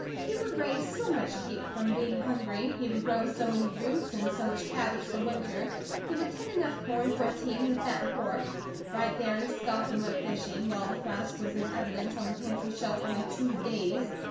He would raise so much to keep from being hungry, he would grow so many roots, and so much cabbage for winter, he would tend enough corn for a team and to fatten pork; right there he stopped and went fishing, while the flask was in evidence on the pantry shelf only two days.